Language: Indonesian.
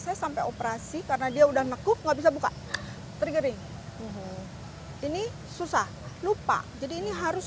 saya sampai operasi karena dia udah nekuk nggak bisa buka tergering ini susah lupa jadi ini harus